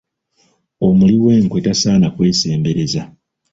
Omuli w'enkwe tasaana kwesembereza.